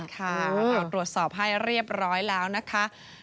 ค่ะเราตรวจสอบให้เรียบร้อยแล้วนะคะ